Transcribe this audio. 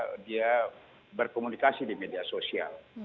mereka berkomunikasi di media sosial